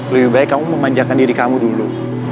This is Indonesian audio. lebih baik kamu memanjakan diri kamu dulu